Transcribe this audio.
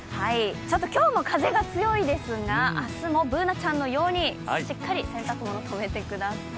今日も風が強いですが明日もＢｏｏｎａちゃんのようにしっかり洗濯物、とめてください。